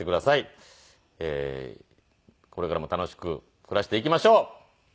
これからも楽しく暮らしていきましょう。